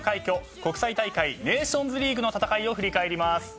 国際大会ネーションズリーグの戦いを振り返ります。